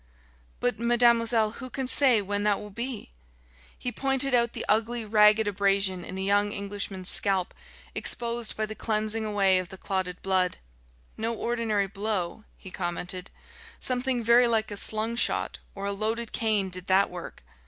"But, mademoiselle, who can say when that will be?" He pointed out the ugly, ragged abrasion in the young Englishman's scalp exposed by the cleansing away of the clotted blood. "No ordinary blow," he commented; "something very like a slung shot or a loaded cane did that work.